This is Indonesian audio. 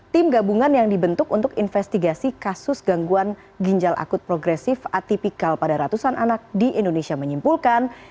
tim gabungan yang dibentuk untuk investigasi kasus gangguan ginjal akut progresif atipikal pada ratusan anak di indonesia menyimpulkan